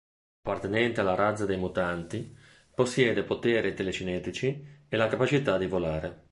Appartenente alla razza dei mutanti, possiede poteri telecinetici e la capacità di volare.